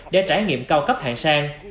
để trải nghiệm cao cấp hàng sang